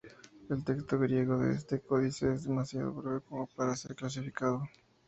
El texto griego de este códice es demasiado breve como para ser clasificado.